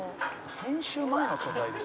「編集前の素材ですよ」